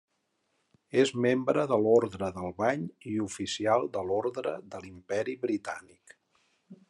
És membre de l'Orde del Bany i oficial de l'Orde de l'Imperi Britànic.